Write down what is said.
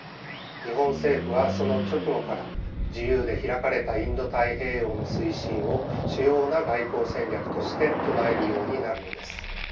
日本政府はその直後から「自由で開かれたインド太平洋」の推進を主要な外交戦略として唱えるようになるのです。